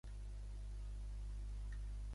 Em fatigaré de tant sentir el “La, la, la”.